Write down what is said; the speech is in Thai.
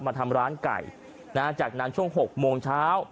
มาทำร้านไก่จากนั้นช่วง๖โมงเช้า